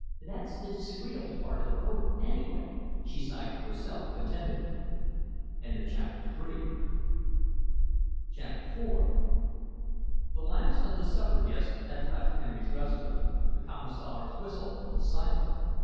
"That's the disagreeable part of it over, anyway," she sighed to herself contentedly. CHAPTER IV The last of the supper guests had left Henry's Restaurant, the commissionaire's whistle was silent.